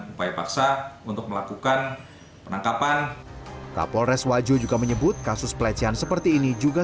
upaya paksa untuk melakukan penangkapan kapolres wajo juga menyebut kasus pelecehan seperti ini juga